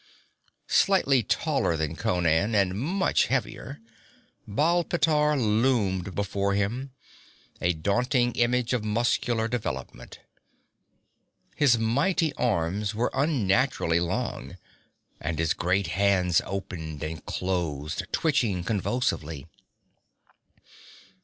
Slightly taller than Conan, and much heavier, Baal pteor loomed before him, a daunting image of muscular development. His mighty arms were unnaturally long, and his great hands opened and closed, twitching convulsively.